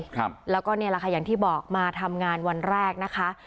ครับแล้วก็เนี่ยแหละค่ะอย่างที่บอกมาทำงานวันแรกนะคะ